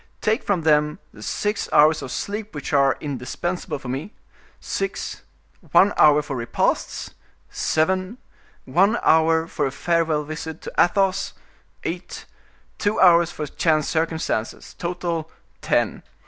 Take from them the six hours of sleep which are indispensable for me—six; one hour for repasts—seven; one hour for a farewell visit to Athos—eight; two hours for chance circumstances—total, ten.